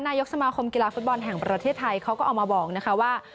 นายกสมาคมกีฬาฟุตบอลแห่งประเทศไทยเขาก็เอามาบอกนะคะว่า